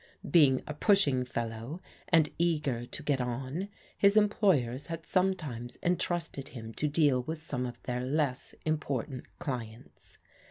Being a pushing fellow, and eager to get on, his employers had sometimes entrusted him to deal with some of their less important clients.